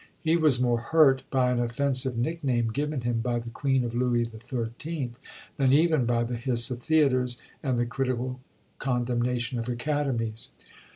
He was more hurt by an offensive nickname given him by the queen of Louis XIII., than even by the hiss of theatres and the critical condemnation of academies.